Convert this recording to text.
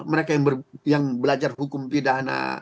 mereka yang belajar hukum pidana